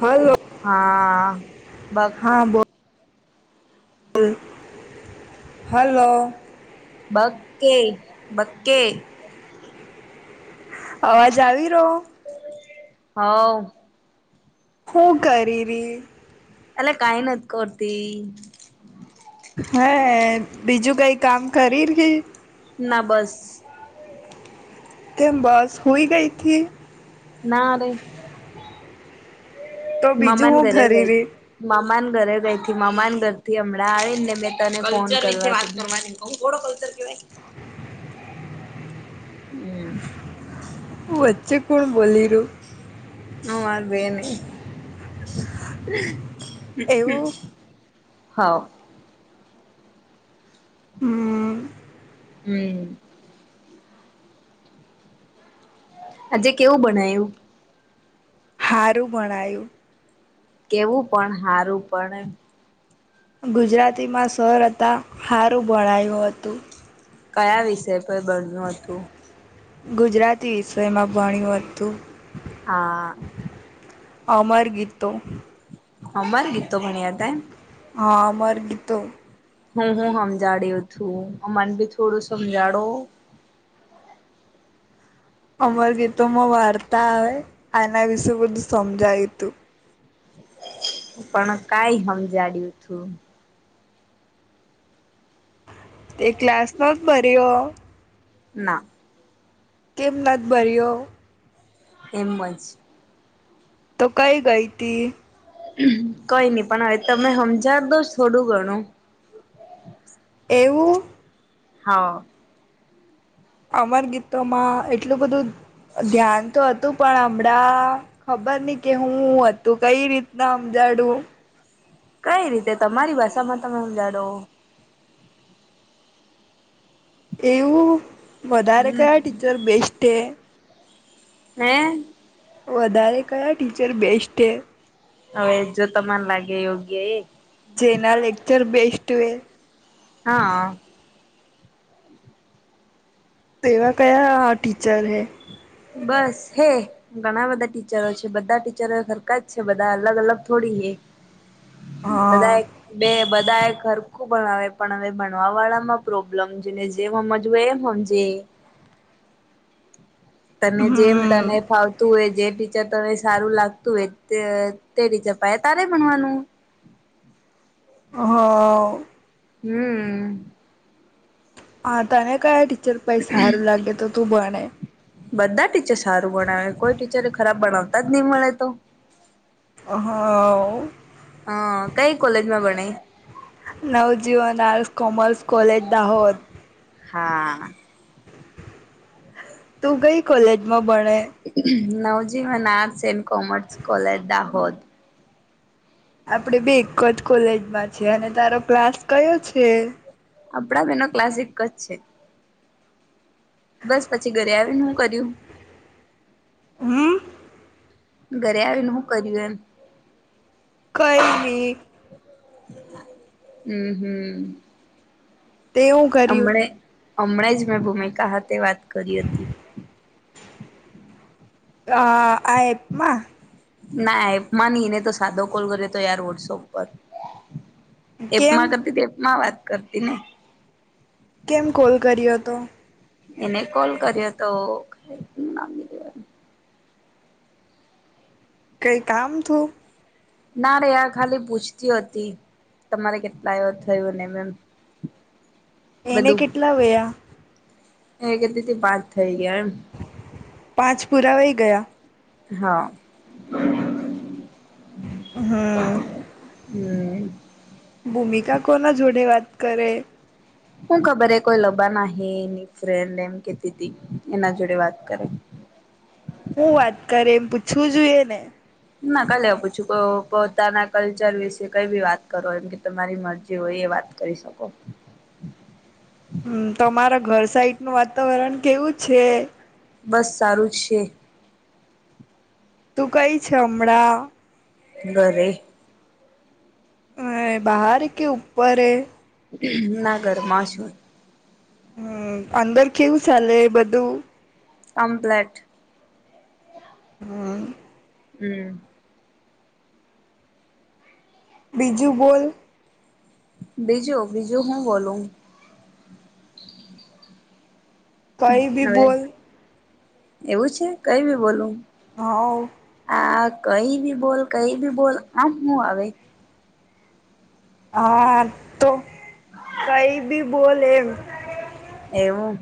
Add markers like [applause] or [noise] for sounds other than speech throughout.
હાલો હા બ હા બો [unintelligible] હલો બકે બકે અવાજ આવી રહ્યો? હ હું કરેરી? અલે કાય નત કરતી હે બીજું કઈ કામ કરીરી ના બસ કેમ બસ હુઈ ગઈ થી ના રે તો બીજું મામાને હું ઘરે કરી ગઈ. રહી મામા ના ઘરે ગઈ થી, મામા ઘરથી હમણાં આવી ને મેં તને ફોન કર [inaudible] [inaudible] હમ્મ વચ્ચે કોણ બોલી રહ્યો? મારે બેન હે એવું હા હમ હમ્મ આજે કેવું બનાયું હારું ભણાયું કેવું પણ હારું પણ એમ ગુજરાતીમાં સર હતા હારું ભણાયું હતું. કયા વિષય પર બણ્યું હતું. ગુજરાતી વિષયમાં ભણ્યું હતું હા અમર ગીતો અમાર ગીત ભણ્યાતા એમ હા અમર ગીતો હું હું સમજાડ્યો થું મને બી થોડું સમજાડો અમર ગીતોમાં વાર્તા આવે એના વિશે બધું સમજાય તું પણ કાઈ હમજાડ્યું થું? એ ક્લાસ નો જ બરયો ના કેમ નથ ભર્યો એમ જ તો કઈ ગયતી કઈ નહી પણ હવે તમે સમજા દો જ થોડું ગણું એવું હા અમર ગીતોમાં એટલું બધું ધ્યાન તો હતું પણ હમણાં ખબર નઈ કે હું હતું કઈ રીતના હમજાડું કઈ રીતે તમારી ભાષામાં તમે હમજાડો એવું વધારે હમ કયા ટીચર બેસ્ટ એ? હે વધારે કયા ટીચર બેસ્ટ છે હવે જો તમાને લાગે યોગ્ય એ જેના લેક્ચર બેસ્ટ હો હા તો એવા કયા ટીચર હૈ બસ હે ઘણા બધા ટીચરો છે બધા ટીચરો હરકા જ છે બધા અલગ અલગ થોડી એ હા બદા એક બે બધા એ ખરખું ભણાવ પણ હવે ભણવા વાળામાં પ્રોબ્લેમ છે ને જે હજું એ હજ તને જેમ હમ તને ફાવતું હોય જે જ તને સારું લાગતું હોય તેરી ચપયા તારે ભણવાનું હા હો હમ હા તને કયા ટીચર પાઈ સારું લાગે તો તું ભને બધા ટીચર સારું ભણાવે કોઈ ટીચર ખરાબ ભણાવતા જ નહી મળે તો હા હ કઈ કોલેજમાં બણઈ નવજીવનર્ કોમર્સ કોલેજ દાહોત હા તું કઈ કોલેજમાં ભણે નવજી મન arts and commerce college Dahod આપડે બે એક જ કોલેજમાં છે અને તારો ક્લાસ કયો છે આપડા બેનો ક્લાસ એક જ છે બસ પછી ઘરે આવી ને હું કર્યું હમ ઘરે આવીને શું કર્યું એમ કઈનેી હમ હમ તે હું કર્યું હમણે હમણા જ મેં ભૂમિકા સાથે વાત કરી હતી અ આ એપ માં ના માની એને તો સાદો કોલ કરી્યો તો યાર વોડ શો ઉપર કેમ એપમાં કરતી એપમાં વાત કરતી ને કેમ કોલ કર્યો હતો એને કોલ કર્યો તો કઈ કામ થું ના રે આ ખાલી પૂછતી હતી તમારે કેટલા એ થયું ને મેમ એને કેટલા વયા એ કે દીથી બાદ થઈ ગયા એમ પાંચ પુરાવાઈ ગયા હા હમ હમ હમ ભૂમિકા કોના જોડે વાત કરે હું ખબર હ કોઈ લબા ના એની ફ્રેન્ડ એમ કેતીી એના જોડે વાત કરે હું વાત કરે એમ પૂછવું જોઈએ ને ના કાલે પૂછું પોતાના કલ્ચર વિશે કઈ બી વાત કરો એમ કે તમારી મરજી હોય એ વાત કરીશ શકો હમ તમારા ઘર સાઇટ નું વાતાવરણ કેવું છે? બસ સારું જ છે. તું કઈ છે હમણાં? ઘરે. હ બહાર કે ઉપરે ના ઘરમાં છું. હમ અંદર કેવુ સાલે બધું? કમપ્લેટ. હમ્મ હમ બીજું બોલ બીજું, બીજું હું બોલું? કઈ ભી હવે બોલ. એવું છે? કઈ બી બોલું? હાઓ. આ કઈ બી બોલ, કઈ બી બોલ, આ હુ આવે? હા તો, કઈ ભી બોલ એમ. એવું,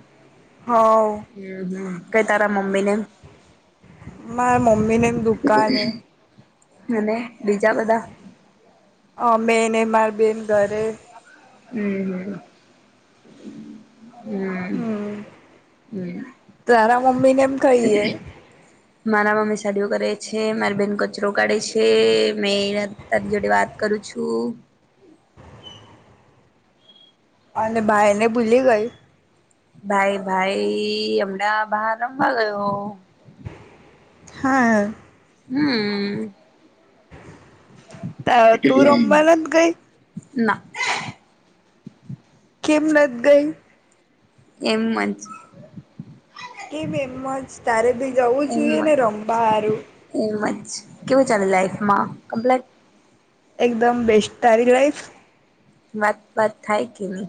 હવ હમ હમ કઈ તારા મમ્મીને? મારા મમ્મી ને એમ દુકાને. અને બીજા બધા? અ મે ને માર બેન ઘરે. હમ. હમ હમ, હમ તારા મમ્મી ને એમ કહીએે મારા મમ્મી સાડીઓ કરે છે મારી બેહેન કચરો કાઢે છે. મે તારી જોડે વાત કરું છું. અને ભાઈ ને ભૂલી ગઈ. ભાઈ ભાઈ હમણાં બહાર રમવા ગયો. હા. હમ. તું રહમવા નથ ગઈ? ના. કેમ નથી ગઈ. એમ અજ. કેમ એમ જ તારે બી જવું જોઈએ ને રમવા હારું. એમજ કેવું ચાલે લાઈફમાં, કોમ્પલેટ એકદમ બેસ્ટ તારી લાઈફ? વાતપાત થાય કે નહી.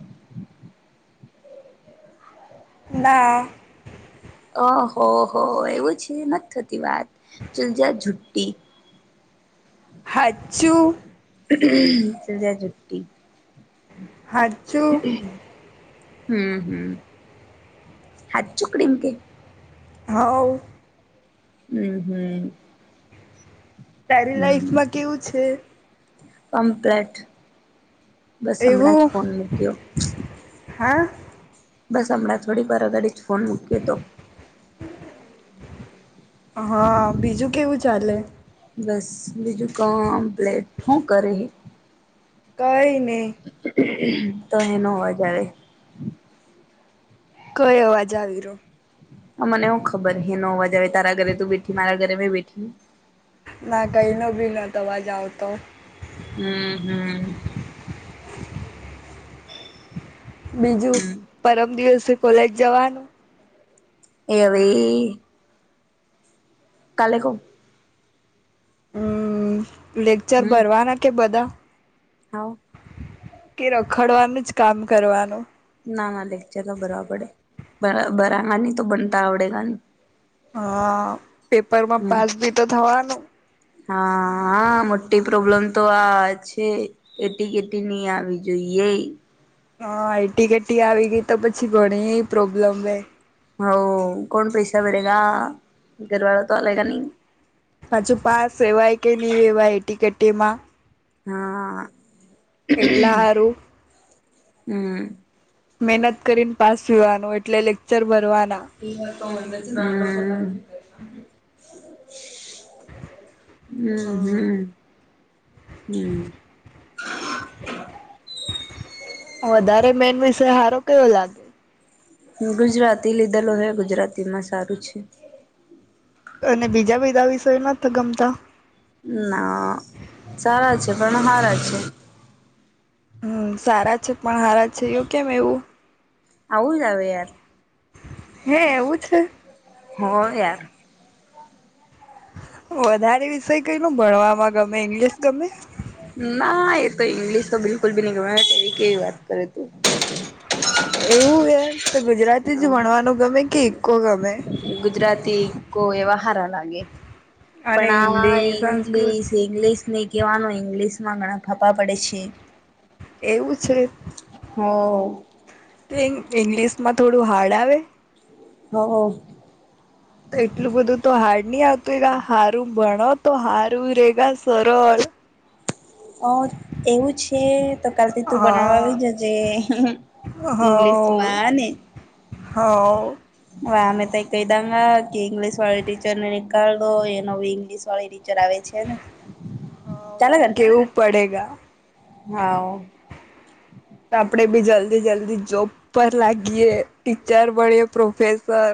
ના. અ હો હો એવું છે નથ થતી વાત, ચાલ જા ઝૂ ટિ હચું. ચલ જા જુટી. હાચું [unintelligible] હમ હમ હ [unintelligible] ચુકડીમ કે. હઉ. હમ હમ. તારી હમ લાઈફમાં કેવું છે. કમ્પ્લેટ બસ હમણાં જ એવું ફોન મૂક્યો. હા. બસ હમણાં થોડી વાર આઘાડી જ ફોન મૂકયો તો. હા બીજું કેવું ચાલે. બસ બીજું કામપ્લેટ હું કરે કઈ ની તો હેનો અવાજ આવે કઈ અવાજ આવી રો મને હું ખબર હેનો અવાજ આવે તારા ઘરે તું બેઠી મારા ઘરે મે બેઠી. ના કઈ નો ભી નથ અવાજ આવતો. હમ્મ હમ્મ. બીજું હમ પરમ દિવસે કોલેજ જવાનું એવે કાલે કો હમ્મ લેક્ચર હમ ભરવાના કે બધા? હા. કે રખડવાનું જ કામ કરવાનું. ના ના લેકચર તો ભરવા પડે બરાબર [unintelligible] હા પેપરમાં હમ પાસ ભી તો થવાનું. હા હા મોટી પ્રોબ્લેમ તો આ છે. એટી કેટી ની આવી જોઈએે. હા એટી કટી આવી ગઈ તો પછી ઘણી એ પ્રોબ્લેમ હે. [unintelligible] હજુ પાસ રેવાય કે ની રેવાય એટી કેટીમાં. હા. એટલા હારું હમ્મ. મહેનત કરીને પાસ થવાનું એટલે લેક્ચર ભરવાના હમ. હમ્મ હમ્મ. વધારે મેન વિષય હારો કયો લાાગ ગુજરાતી લીધેલો હે ગુજરાતી માં સારું છે. અને બીજા બધા વિષય માં તો ગમતા ના સારા છે પણ હારા છે હમ્મ સારા છે પણ હારા છે એવું કેમ એવું આવું જ આવે યાર હે એવું છે? હો યાર વધારે વિષય કઈ નો ભણવામાં ગમે ઈંગ્લિશ ગમે? ના એ તો ઈંગ્લિશ તો બિલકુલ ભી નઈ ગમે એવી કેવી વાત કરે તું એવું હે તો ગુજરાતી જ ભણવાનું ગમે કે ઈકો ગમે ગુજરાતી ઈકો એવુ હારા લાગે. અને પણ આ હિન્દી સંસ્કૃત ઇંગ્લિશ ઇંગ્લિશ ની કહેવાનો ઇંગ્લિશ માં ઘણા ફાફા પડે છે. એવું છે હો ઈંગ્લિશ માં થોડું હાર્ડ આવે હ હ એટલું બધું તો હાર્ડ નહી આવતું હારું ભણો તો હારું રેગા સરળ અ એવું છે તો કાલ થી તું હા બનાવવા આવી હવ જજે ઇંગ્લિશમાં હને હો આમે તો એકેાયદંગ કેઈંગ્લીશ વાળ ટીચર ને એકળો એનોઈઇ્લીશ વાળ ચરાવે છે ન હા એવું કેવું પડે ગા. હા તો આપણે બી જલ્દી જલ્દી જોબ પર લાગીએ ટીચર ભણીએ પ્રોફેસર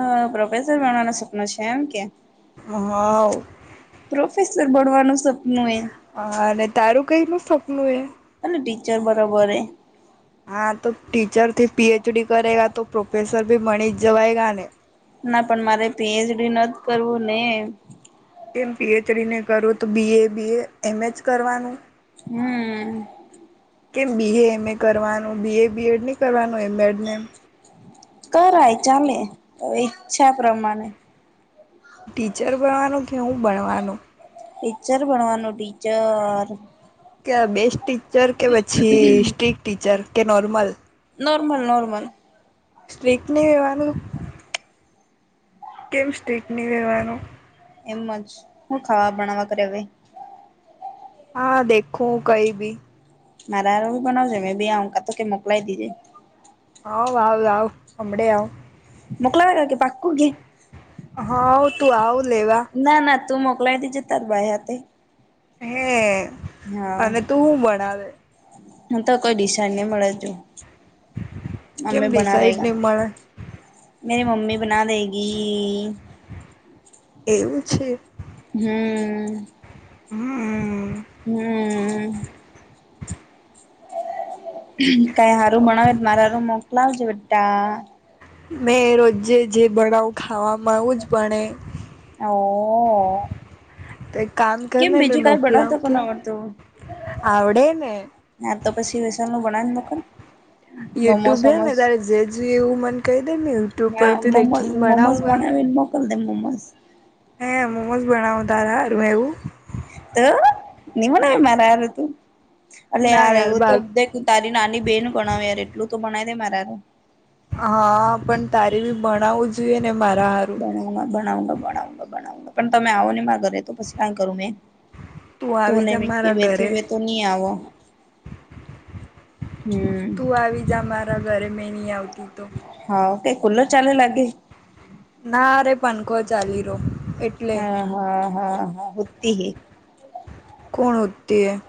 અ પ્રોફેસર બનવાનું સપના છે એમ કે. હા. પ્રોફેસર ભણવાનું સપનું એ હા અને તારું કઈ નું સપનું એ. અને ટીચર બરોબર હે હા તો ટીચર થી પીએચડી કરેગા તો પ્રોફેસર ભી મણિત જવાય ગાને ના પણ મારે પીએચડી નથી કરવું ને કેમ પીએચડીને કરું તો બી એ બી એ એમ એચ કરવાનું. હમ. કેમ બી એ એમ એ કરવાનું બી એ બીએડ નહીં કરવાનું એમએડ ને એમ. કરાય ચાલે અવે ઈચ્છા પ્રમાણે. ટીચર ભણવાનું કે હું ભણવાનું ટીચર બણવાનું ટીચર. કે બેસ્ટ ટીચર કે પછી સ્ટ્રીક ટીચર કે નોર્મલ. Normal, normal. સ્ટ્રીક નહી રહેેવાનું? કેમ સ્ટ્રીક ની રહેેવાનું. એમજ શું ખાવા બનાવા કર હવે. હા દેખું કઈ ભી. મારા હારું બનાવજે મેં બે અંકા તો કે મોકલાઈ દીજે. આવ, આવ, આવ અમડે આવ. મોકલાવે કે પાકુ કે. હા તું આવ લેવા. ના ના તું મોકલાય દેજે તાર ભાઈ હાથે. હે. હા અને તું હું ભણાવે હું તો કોઈ ડિશાડ નહી મળે છું. કેમ અમે ડિસાઈડ બનાવેગા. નહી મળે મેરી મમ્મી બના દેગી. એવું છે. હમ. હમ. હમ. કઈ સારું બણાવ મારે હારું મોકલાવ જે બેટા. મેં રોજે જે બનાવું ખામા એવું જ બણે. ઓ તો એક કામ કેમ કરને મે બીજું કઈ મોકલાવું બનાવતા પણ છું. આવડતું આવડેને. યાર તો પછી વેસાલ નું બણાઈ ને મોકલને. યુટ્યુબ હે ને તારે જે જો એવું મન કહી દે ને યુટ્યુબ પર હા થી મોમોસ દેખી ને મોમોસ બણાવા. [unintelligible] હે મોમોસ બનાવું તારા હારું એવું? તો ની મારા હારું તું એટલે ના યાર એવું તો બાર તારી નાની બેહેન બનાવે યાર એટલું તો બણાઈ દે મારા હારું. હા પણ તારે બી બણાવું જોઈએ ને મારા હારું. [unintelligible] પણ તમે આવો ની મારા ઘરે તો પછી કઈ કરું મેં તું આવી તુંને જા મેકી મારા બે થી ઘરે બે તો ની આવો. હમ તું આવી જા મારા ઘરે મે નહી આવતી તો. હા, તે કુલ્લ ચાલે લાગે. ના અરે પંખો ચાલી રહ્યો એટલે. હા, હા, હા હુંતી હી. કોણ હોતી હે.